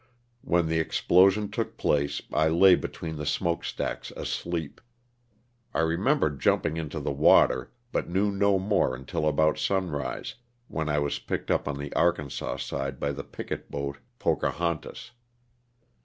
When the explosion took place I lay between the smoke stacks asleep. I remember jumping into the water, but knew no more until about sunrise, when I was picked up on the Arkansas side by the picket boat *' Pocahontas.